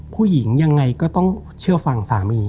ผู้หญิงยังไงก็ต้องเชื่อฟังสามี